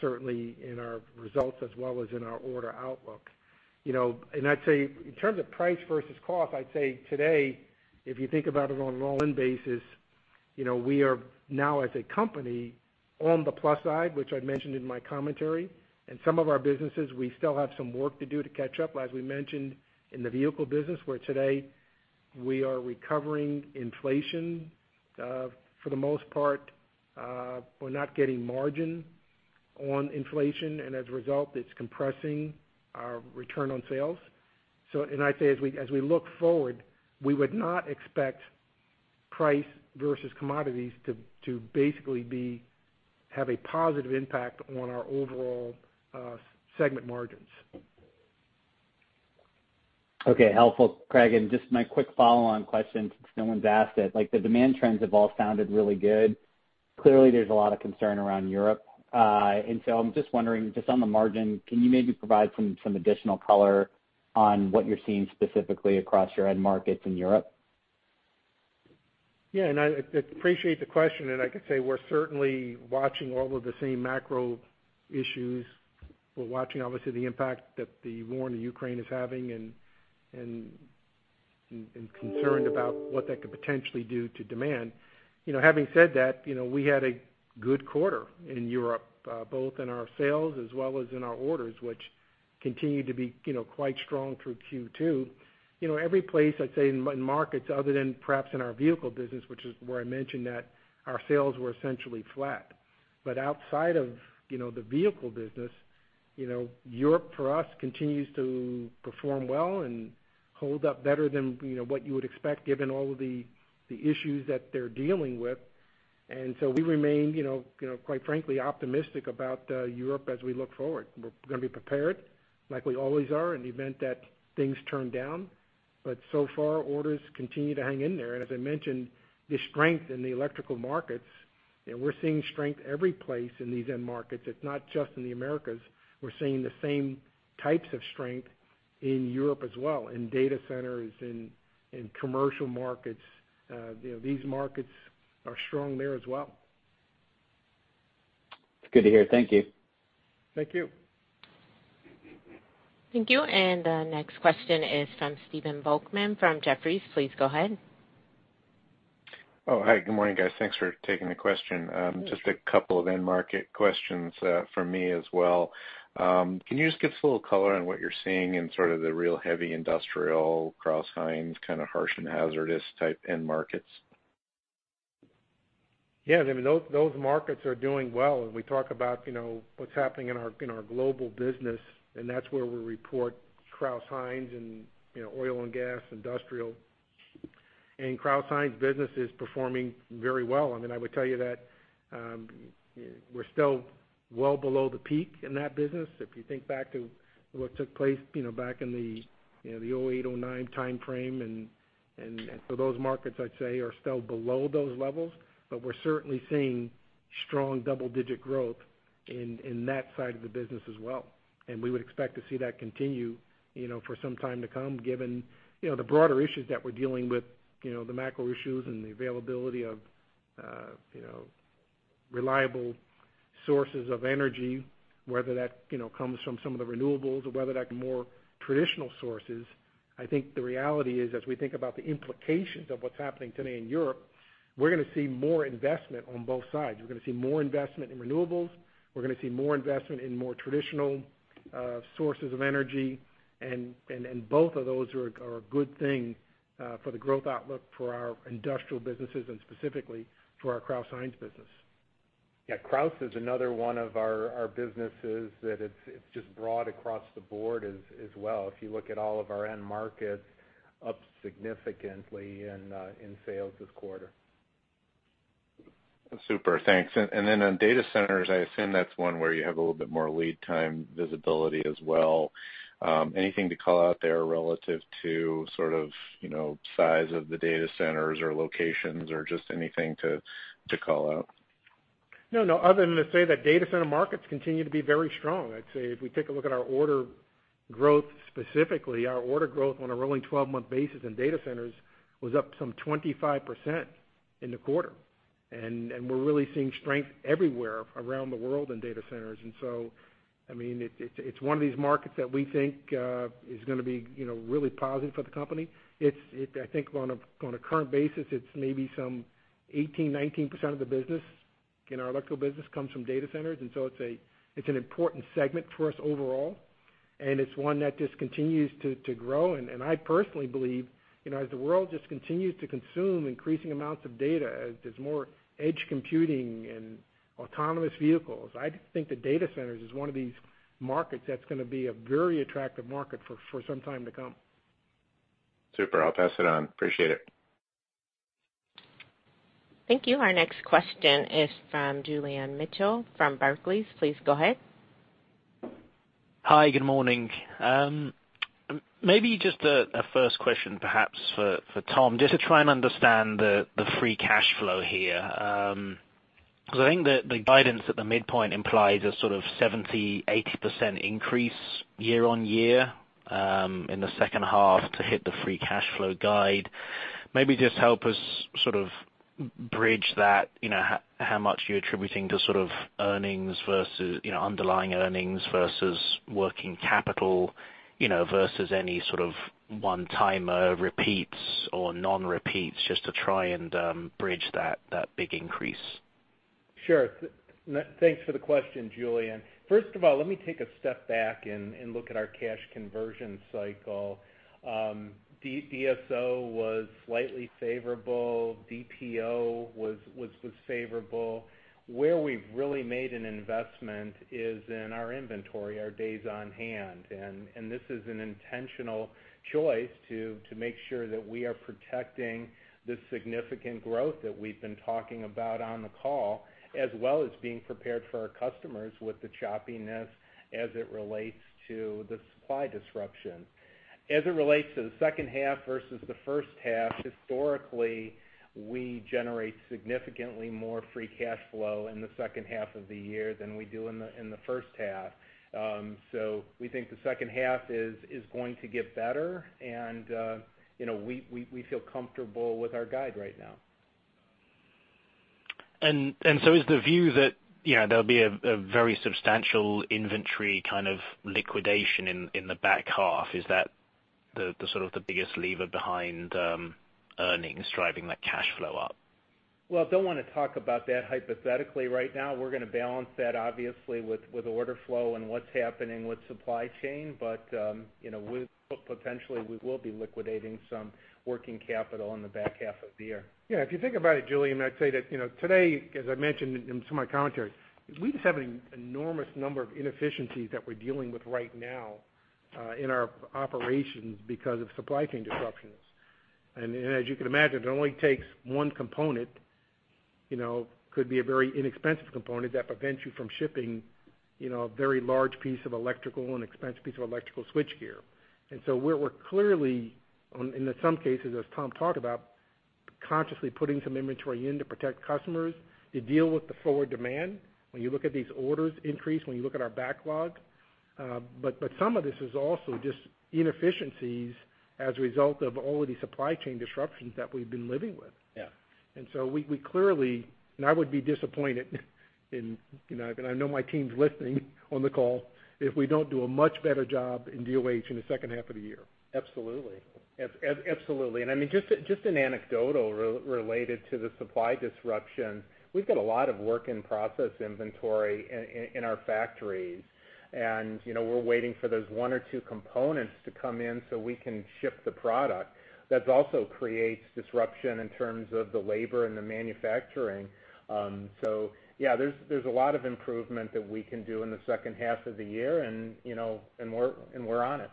certainly in our results as well as in our order outlook. You know, I'd say in terms of price versus cost, I'd say today, if you think about it on an all-in basis, you know, we are now as a company on the plus side, which I'd mentioned in my commentary. In some of our businesses, we still have some work to do to catch up, as we mentioned in the vehicle business, where today we are recovering inflation, for the most part, we're not getting margin on inflation, and as a result, it's compressing our return on sales. I'd say as we look forward, we would not expect price versus commodities to basically have a positive impact on our overall segment margins. Okay. Helpful, Craig. Just my quick follow-on question, since no one's asked it, like the demand trends have all sounded really good. Clearly, there's a lot of concern around Europe. I'm just wondering, just on the margin, can you maybe provide some additional color on what you're seeing specifically across your end markets in Europe? Yeah. I appreciate the question, and I can say we're certainly watching all of the same macro issues. We're watching obviously the impact that the war in Ukraine is having and concerned about what that could potentially do to demand. You know, having said that, you know, we had a good quarter in Europe, both in our sales as well as in our orders, which continued to be, you know, quite strong through Q2. You know, every place, I'd say in markets other than perhaps in our vehicle business, which is where I mentioned that our sales were essentially flat. Outside of, you know, the vehicle business, you know, Europe for us continues to perform well and hold up better than, you know, what you would expect given all of the issues that they're dealing with. We remain, you know, quite frankly optimistic about Europe as we look forward. We're gonna be prepared like we always are in the event that things turn down. So far, orders continue to hang in there. As I mentioned, the strength in the electrical markets, and we're seeing strength every place in these end markets. It's not just in the Americas. We're seeing the same types of strength in Europe as well, in data centers, in commercial markets. You know, these markets are strong there as well. It's good to hear. Thank you. Thank you. Thank you. The next question is from Stephen Volkmann from Jefferies. Please go ahead. Oh, hi. Good morning, guys. Thanks for taking the question. Just a couple of end market questions, from me as well. Can you just give us a little color on what you're seeing in sort of the real heavy industrial Crouse-Hinds kind of harsh and hazardous type end markets? Yeah. I mean, those markets are doing well. We talk about, you know, what's happening in our, in our global business, and that's where we report Crouse-Hinds and, you know, oil and gas, industrial. Crouse-Hinds business is performing very well. I mean, I would tell you that, we're still well below the peak in that business. If you think back to what took place, you know, back in the, you know, the 2008, 2009 timeframe, and so those markets, I'd say, are still below those levels. We're certainly seeing strong double-digit growth in that side of the business as well. We would expect to see that continue, you know, for some time to come, given, you know, the broader issues that we're dealing with, you know, the macro issues and the availability of, you know, reliable sources of energy, whether that, you know, comes from some of the renewables or whether that more traditional sources. I think the reality is, as we think about the implications of what's happening today in Europe, we're gonna see more investment on both sides. We're gonna see more investment in renewables. We're gonna see more investment in more traditional sources of energy. And both of those are a good thing for the growth outlook for our industrial businesses and specifically for our Crouse-Hinds business. Yeah, Crouse-Hinds is another one of our businesses that it's just broad across the board as well. If you look at all of our end markets, up significantly in sales this quarter. Super. Thanks. Then on data centers, I assume that's one where you have a little bit more lead time visibility as well. Anything to call out there relative to sort of, you know, size of the data centers or locations or just anything to call out? No, no. Other than to say that data center markets continue to be very strong. I'd say if we take a look at our order growth, specifically, our order growth on a rolling 12-month basis in data centers was up some 25% in the quarter. We're really seeing strength everywhere around the world in data centers. I mean, it's one of these markets that we think is gonna be, you know, really positive for the company. I think on a current basis, it's maybe some 18, 19% of the business in our electrical business comes from data centers, and so it's a, it's an important segment for us overall, and it's one that just continues to grow. I personally believe, you know, as the world just continues to consume increasing amounts of data, as there's more edge computing and autonomous vehicles, I think the data centers is one of these markets that's gonna be a very attractive market for some time to come. Super. I'll pass it on. Appreciate it. Thank you. Our next question is from Julian Mitchell from Barclays. Please go ahead. Hi, good morning. Maybe just a first question perhaps for Tom, just to try and understand the free cash flow here. Because I think the guidance at the midpoint implies a sort of 70%-80% increase year-over-year in the second half to hit the free cash flow guide. Maybe just help us sort of bridge that, you know, how much you're attributing to sort of earnings versus, you know, underlying earnings versus working capital, you know, versus any sort of one-timer repeats or non-repeats, just to try and bridge that big increase. Sure. Thanks for the question, Julian. First of all, let me take a step back and look at our cash conversion cycle. DSO was slightly favorable. DPO was favorable. Where we've really made an investment is in our inventory, our days on hand. This is an intentional choice to make sure that we are protecting the significant growth that we've been talking about on the call, as well as being prepared for our customers with the choppiness as it relates to the supply disruption. As it relates to the second half versus the first half, historically, we generate significantly more free cash flow in the second half of the year than we do in the first half. We think the second half is going to get better, and you know, we feel comfortable with our guide right now. Is the view that, you know, there'll be a very substantial inventory kind of liquidation in the back half, is that the sort of the biggest lever behind earnings driving that cash flow up? Well, don't wanna talk about that hypothetically right now. We're gonna balance that obviously with order flow and what's happening with supply chain. You know, potentially we will be liquidating some working capital in the back half of the year. Yeah. If you think about it, Julian, I'd say that, you know, today, as I mentioned in some of my commentary, we just have an enormous number of inefficiencies that we're dealing with right now in our operations because of supply chain disruptions. As you can imagine, it only takes one component, you know, could be a very inexpensive component that prevents you from shipping, you know, a very large piece of electrical, an expensive piece of electrical switchgear. We're clearly in some cases, as Tom talked about, consciously putting some inventory in to protect customers to deal with the forward demand when you look at these orders increase, when you look at our backlog. But some of this is also just inefficiencies as a result of all of the supply chain disruptions that we've been living with. Yeah. We clearly, and I would be disappointed, you know, and I know my team's listening on the call, if we don't do a much better job in DOH in the second half of the year. Absolutely. I mean, just an anecdotal related to the supply disruption, we've got a lot of work in process inventory in our factories. You know, we're waiting for those one or two components to come in so we can ship the product. That also creates disruption in terms of the labor and the manufacturing. So yeah, there's a lot of improvement that we can do in the second half of the year, you know, and we're on it.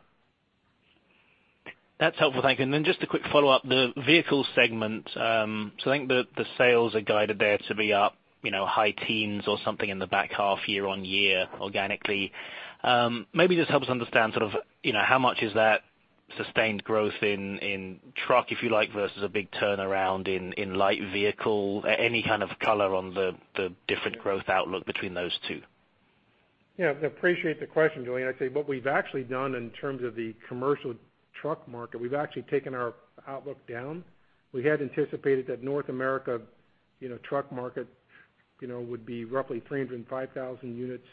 That's helpful. Thank you. Just a quick follow-up. The vehicle segment, so I think the sales are guided there to be up, you know, high teens or something in the back half year year-on-year, organically. Maybe just help us understand sort of, you know, how much is that sustained growth in truck, if you like, versus a big turnaround in light vehicle. Any kind of color on the different growth outlook between those two? Yeah, I appreciate the question, Julian. I'd say what we've actually done in terms of the commercial truck market, we've actually taken our outlook down. We had anticipated that North America, you know, truck market, you know, would be roughly 305,000 units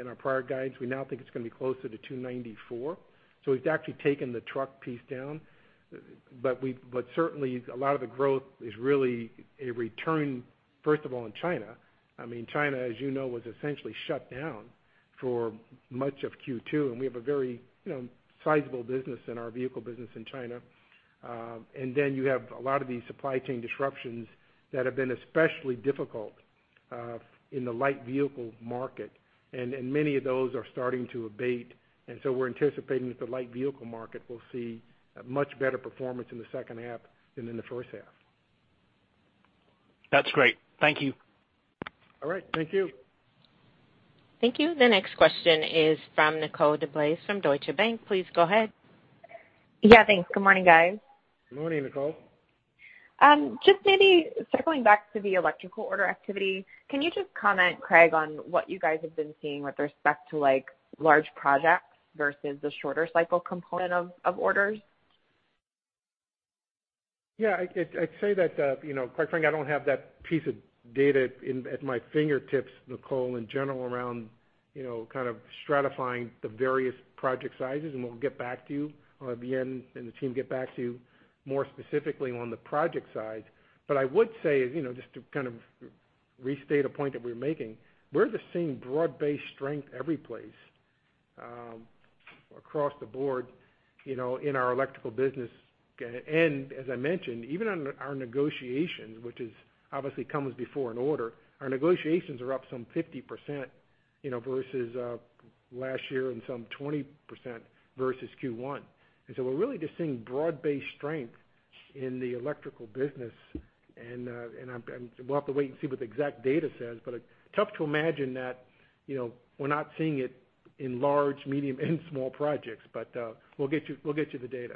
in our prior guidance. We now think it's gonna be closer to 294. So we've actually taken the truck piece down. But certainly, a lot of the growth is really a return, first of all, in China. I mean, China, as you know, was essentially shut down. For much of Q2, and we have a very, you know, sizable business in our vehicle business in China. And then you have a lot of these supply chain disruptions that have been especially difficult in the light vehicle market, and many of those are starting to abate. We're anticipating that the light vehicle market will see a much better performance in the second half than in the first half. That's great. Thank you. All right. Thank you. Thank you. The next question is from Nicole DeBlase from Deutsche Bank. Please go ahead. Yeah, thanks. Good morning, guys. Good morning, Nicole. Just maybe circling back to the electrical order activity, can you just comment, Craig, on what you guys have been seeing with respect to large projects versus the shorter cycle component of orders? Yeah, I'd say that, you know, quite frankly, I don't have that piece of data at my fingertips, Nicole. In general around, you know, kind of stratifying the various project sizes, and we'll get back to you or at the end, and the team get back to you more specifically on the project side. I would say, you know, just to kind of restate a point that we're making, we're seeing the same broad-based strength every place, across the board, you know, in our electrical business. As I mentioned, even on our negotiations, which obviously comes before an order, our negotiations are up some 50%, you know, versus last year and some 20% versus Q1. We're really just seeing broad-based strength in the electrical business. We'll have to wait and see what the exact data says, but tough to imagine that, you know, we're not seeing it in large, medium, and small projects. We'll get you the data.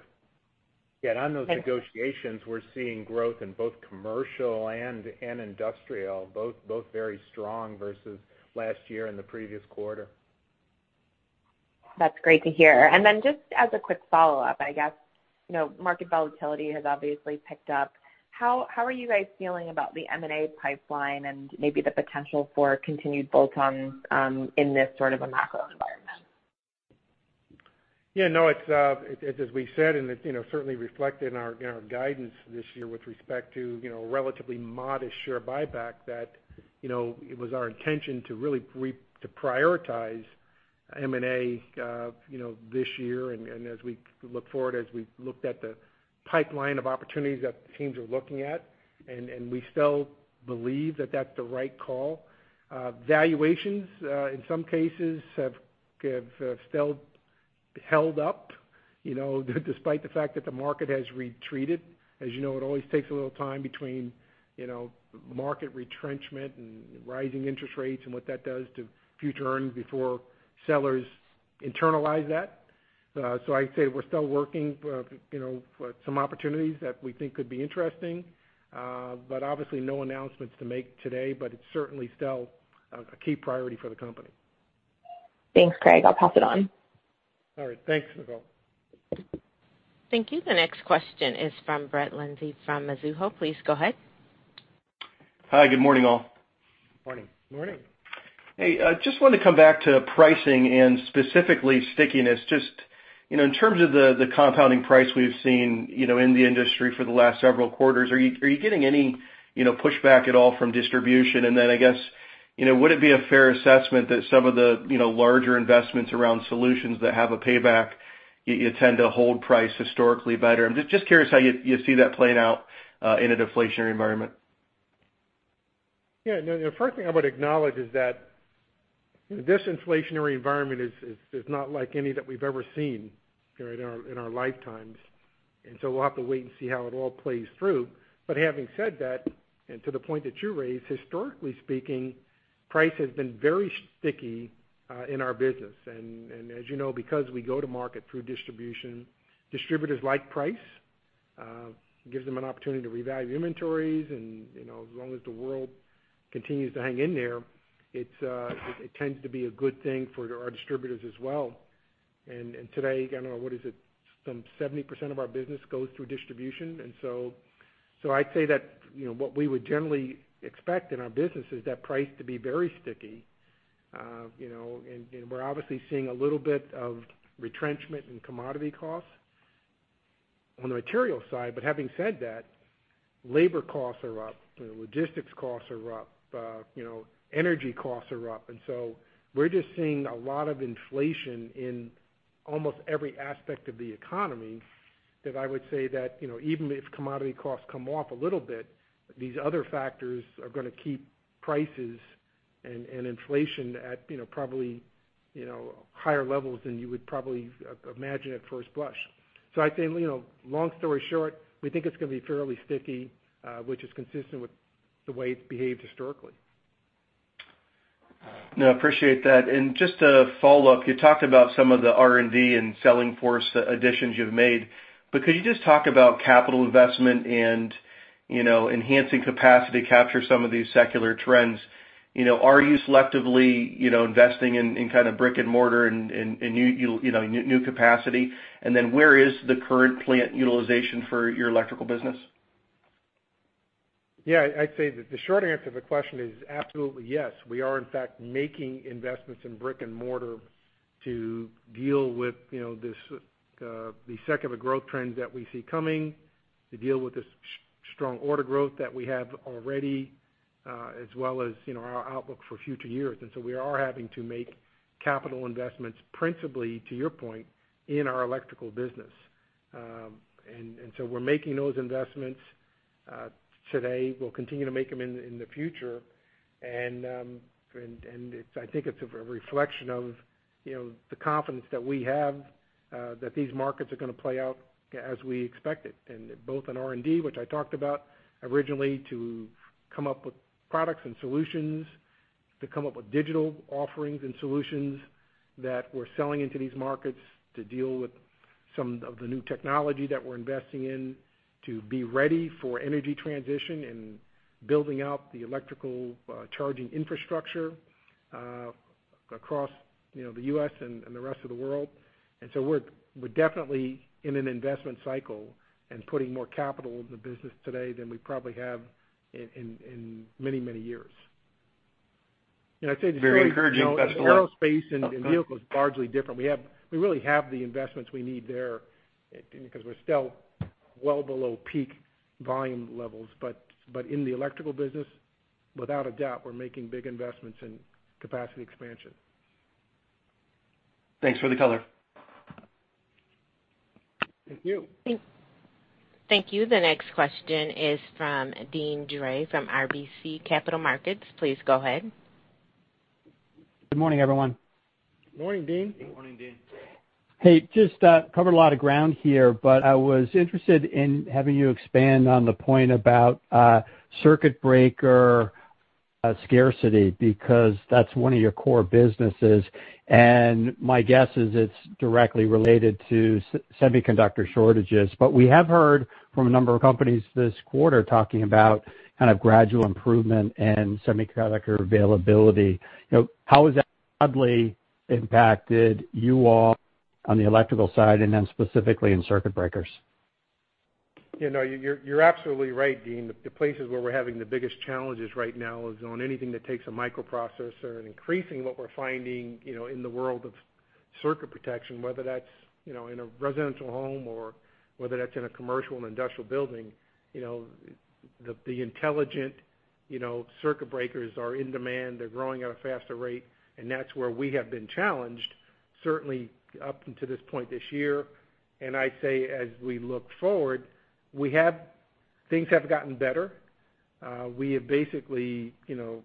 Yeah. On those negotiations, we're seeing growth in both commercial and industrial, both very strong versus last year and the previous quarter. That's great to hear. Just as a quick follow-up, I guess, you know, market volatility has obviously picked up. How are you guys feeling about the M&A pipeline and maybe the potential for continued bolt-ons in this sort of a macro environment? Yeah, no, it's as we said, and it's, you know, certainly reflected in our guidance this year with respect to, you know, relatively modest share buyback that, you know, it was our intention to really to prioritize M&A, you know, this year. As we look forward, as we looked at the pipeline of opportunities that the teams are looking at, and we still believe that that's the right call. Valuations, in some cases have still held up, you know, despite the fact that the market has retreated. As you know, it always takes a little time between, you know, market retrenchment and rising interest rates and what that does to future earnings before sellers internalize that. I'd say we're still working, you know, for some opportunities that we think could be interesting, but obviously no announcements to make today, but it's certainly still a key priority for the company. Thanks, Craig. I'll pass it on. All right. Thanks, Nicole. Thank you. The next question is from Brett Linzey from Mizuho. Please go ahead. Hi. Good morning, all. Morning. Morning. Hey, I just wanted to come back to pricing and specifically stickiness. Just, you know, in terms of the compounding price we've seen, you know, in the industry for the last several quarters, are you getting any, you know, pushback at all from distribution? I guess, you know, would it be a fair assessment that some of the, you know, larger investments around solutions that have a payback, you tend to hold price historically better? I'm just curious how you see that playing out in a deflationary environment. Yeah. No, the first thing I would acknowledge is that this inflationary environment is not like any that we've ever seen in our lifetimes. We'll have to wait and see how it all plays through. Having said that, and to the point that you raised, historically speaking, price has been very sticky in our business. As you know, because we go to market through distribution, distributors like price, it gives them an opportunity to revalue inventories. You know, as long as the world continues to hang in there, it's, it tends to be a good thing for our distributors as well. Today, I don't know, what is it? Some 70% of our business goes through distribution. I'd say that, you know, what we would generally expect in our business is that price to be very sticky. You know, we're obviously seeing a little bit of retrenchment in commodity costs on the material side. Having said that, labor costs are up, logistics costs are up, you know, energy costs are up. We're just seeing a lot of inflation in almost every aspect of the economy that I would say that, you know, even if commodity costs come off a little bit, these other factors are gonna keep prices and inflation at, you know, probably, you know, higher levels than you would probably imagine at first blush. I'd say, you know, long story short, we think it's gonna be fairly sticky, which is consistent with the way it's behaved historically. No, I appreciate that. Just to follow up, you talked about some of the R&D and sales force additions you've made, but could you just talk about capital investment and, you know, enhancing capacity to capture some of these secular trends? You know, are you selectively, you know, investing in kind of brick-and-mortar and you know new capacity? Where is the current plant utilization for your electrical business? Yeah. I'd say that the short answer to the question is absolutely yes. We are in fact making investments in brick and mortar to deal with, you know, this, the secular growth trends that we see coming. To deal with this strong order growth that we have already, as well as, you know, our outlook for future years. We are having to make capital investments principally, to your point, in our electrical business. So we're making those investments today. We'll continue to make them in the future. I think it's a reflection of, you know, the confidence that we have that these markets are gonna play out as we expect it. Both in R&D, which I talked about originally, to come up with products and solutions, to come up with digital offerings and solutions that we're selling into these markets to deal with some of the new technology that we're investing in, to be ready for energy transition and building out the electrical charging infrastructure across, you know, the U.S. and the rest of the world. We're definitely in an investment cycle and putting more capital in the business today than we probably have in many years. You know, I'd say the story- Very encouraging, that's what. The aerospace and vehicle is largely different. We really have the investments we need there because we're still well below peak volume levels. In the electrical business, without a doubt, we're making big investments in capacity expansion. Thanks for the color. Thank you. Thank you. The next question is from Deane Dray from RBC Capital Markets. Please go ahead. Good morning, everyone. Morning, Deane. Morning, Deane. Hey, just covered a lot of ground here, but I was interested in having you expand on the point about circuit breaker scarcity, because that's one of your core businesses. My guess is it's directly related to semiconductor shortages. We have heard from a number of companies this quarter talking about kind of gradual improvement in semiconductor availability. You know, how has that broadly impacted you all on the electrical side and then specifically in circuit breakers? You know, you're absolutely right, Deane. The places where we're having the biggest challenges right now is on anything that takes a microprocessor. Increasingly, what we're finding, you know, in the world of circuit protection, whether that's, you know, in a residential home or whether that's in a commercial and industrial building, you know, the intelligent, you know, circuit breakers are in demand. They're growing at a faster rate, and that's where we have been challenged, certainly up until this point this year. I say, as we look forward, things have gotten better. We have basically, you know,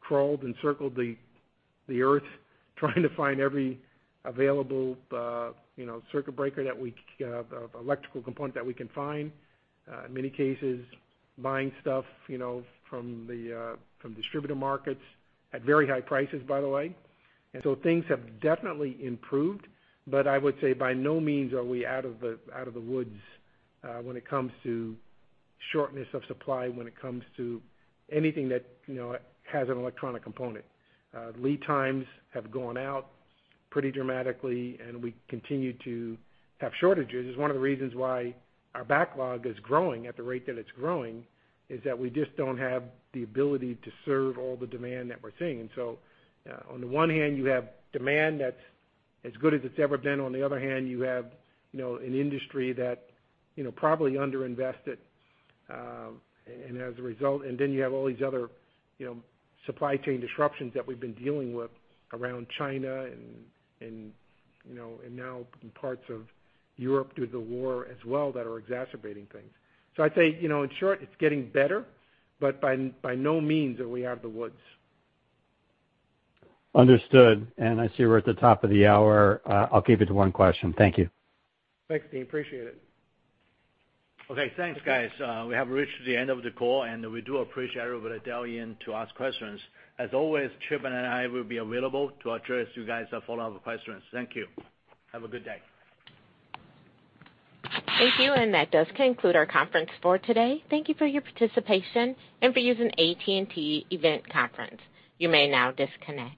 crawled and circled the Earth trying to find every available, you know, circuit breaker, electrical component that we can find. In many cases, buying stuff, you know, from distributor markets at very high prices, by the way. Things have definitely improved, but I would say by no means are we out of the woods when it comes to shortness of supply, when it comes to anything that, you know, has an electronic component. Lead times have gone out pretty dramatically, and we continue to have shortages. It's one of the reasons why our backlog is growing at the rate that it's growing, is that we just don't have the ability to serve all the demand that we're seeing. On the one hand, you have demand that's as good as it's ever been. On the other hand, you have, you know, an industry that, you know, probably underinvested, and as a result. You have all these other, you know, supply chain disruptions that we've been dealing with around China and you know, and now parts of Europe due to the war as well that are exacerbating things. I'd say, you know, in short, it's getting better, but by no means are we out of the woods. Understood. I see we're at the top of the hour. I'll keep it to one question. Thank you. Thanks, Deane. Appreciate it. Okay, thanks, guys. We have reached the end of the call, and we do appreciate everybody dialing in to ask questions. As always, Chip and I will be available to address you guys' follow-up questions. Thank you. Have a good day. Thank you. That does conclude our conference for today. Thank you for your participation and for using AT&T Event Conferencing. You may now disconnect.